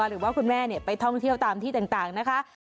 หรือว่าคุณแม่ไปท่องเที่ยวตามที่ต่างนะคะ